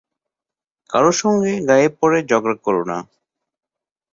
কারো সঙ্গে গায়ে পড়ে ঝগড়া করে না।